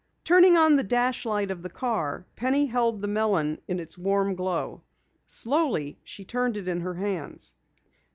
Turning on the dash light of the car, Penny held the melon in its warm glow. Slowly, she turned it in her hands.